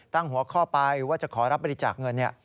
ตั้งหัวข้อไปว่าจะขอรับบริจาคเงิน